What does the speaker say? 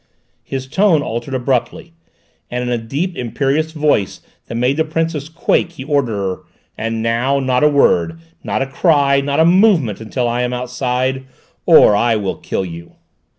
His tone altered abruptly, and in a deep imperious voice that made the Princess quake he ordered her: "And now, not a word, not a cry, not a movement until I am outside, or I will kill you!"